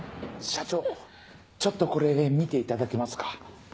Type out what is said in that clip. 社長ちょっとこれ見ていただけますか？